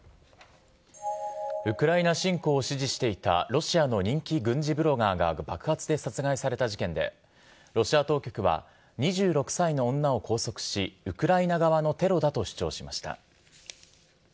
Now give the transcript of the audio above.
ウクライナ侵攻を支持していたロシアの人気軍事ブロガーが爆発で殺害された事件で、ロシア当局は、２６歳の女を拘束し、ウクライナ側のテロだと主張しました。